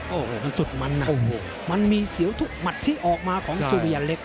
โอ้โหสุดมันน่ะมันมีเสียวทุกหมัดที่ออกมาของสุริยาเล็ก